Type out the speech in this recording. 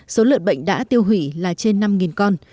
số lợn bệnh đã tiêu hủy là trên năm con